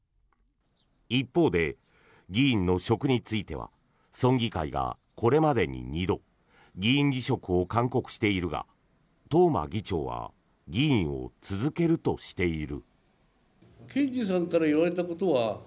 一方で議員の職については村議会がこれまでに２度議員辞職を勧告しているが東間議長は議員を続けるとしている。